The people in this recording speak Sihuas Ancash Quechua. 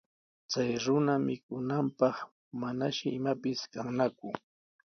Chay runa mikunanpaq manashi imapis kannaku.